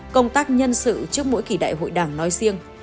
công tác nhân sự trước mỗi kỳ đại hội đảng nói riêng